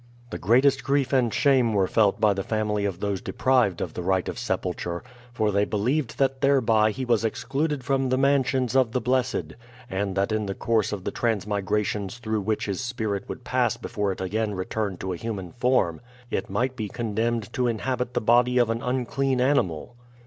The greatest grief and shame were felt by the family of those deprived of the right of sepulture, for they believed that thereby he was excluded from the mansions of the blessed, and that in the course of the transmigrations through which his spirit would pass before it again returned to a human form, it might be condemned to inhabit the body of an unclean animal.